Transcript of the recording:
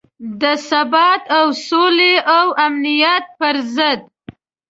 د ثبات او سولې او امنیت پر ضد.